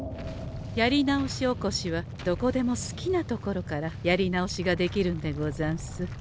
やりなおしおこしはどこでも好きなところからやり直しができるんでござんす。